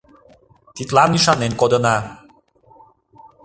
Тидлан ӱшанен кодына.